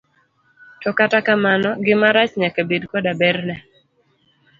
To kata kamano, gima rach nyaka bed koda berne.